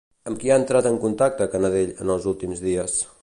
Amb qui ha entrat en contacte Canadell en els últims dies?